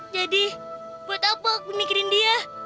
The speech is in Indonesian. jadi buat apa aku mikirin dia